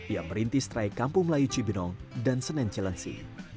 yang merintis traik kampung melayu cibinong dan senen cilengsi